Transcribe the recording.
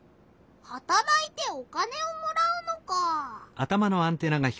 はたらいてお金をもらうのか。